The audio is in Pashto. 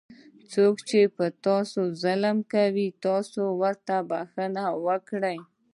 څوک چې په تاسو ظلم کوي تاسې ورته بښنه وکړئ.